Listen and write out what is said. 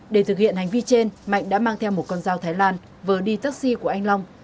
để thực hiện hành vi trên mạnh đã mang theo một con dao thái lan vừa đi taxi của anh long